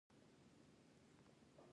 کاناډا المپیک لوبې جوړې کړي.